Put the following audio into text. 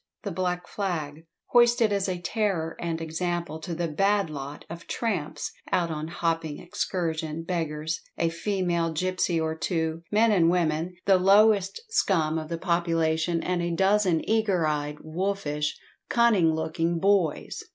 The black flag, hoisted as a terror and example to the "bad lot" of "tramps out on hopping excursion, beggars, a female gipsy or two, men and women, the lowest scum of the population, and a dozen eager eyed, wolfish, cunning looking boys!"